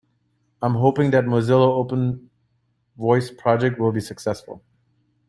I'm hoping that Mozilla's Open Voice project will be successful.